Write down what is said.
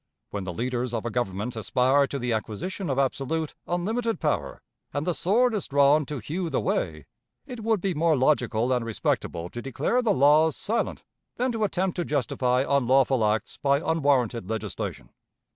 When the leaders of a government aspire to the acquisition of absolute, unlimited power, and the sword is drawn to hew the way, it would be more logical and respectable to declare the laws silent than to attempt to justify unlawful acts by unwarranted legislation.